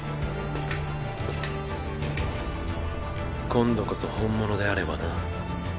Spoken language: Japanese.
今度こそ本物であればな。